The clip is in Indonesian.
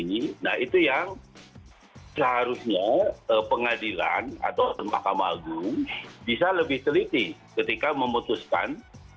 nah itu yang seharusnya pengadilan atau mahkamah agung bisa lebih teliti ketika memutuskan